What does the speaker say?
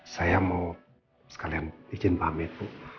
saya mau sekalian izin pamit